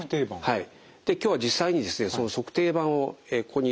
はい。